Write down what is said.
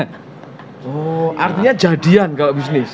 oh artinya jadian kalau bisnis